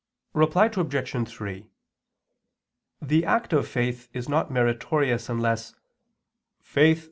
Reply Obj. 3: The act of faith is not meritorious unless "faith